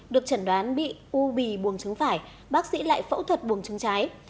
được chẩn đoán bị u bì buồng chứng phải bác sĩ lại phẫu thuật buồng chứng trái